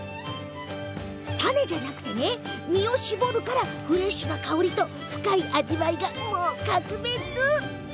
種じゃなくて実を搾るからフレッシュな香りと深い味わいが格別。